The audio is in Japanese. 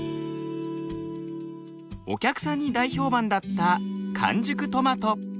お客さんに大評判だった完熟トマト。